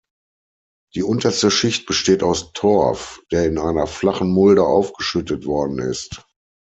Die unterste Schicht besteht aus Torf, der in einer flachen Mulde aufgeschüttet worden ist.